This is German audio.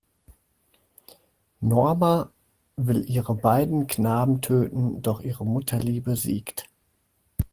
Norma will ihre beiden Knaben töten, doch ihre Mutterliebe siegt.